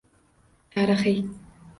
Tarixiy!